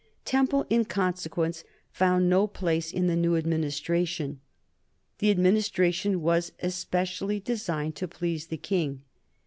Temple, in consequence, found no place in the new Administration. The Administration was especially designed to please the King.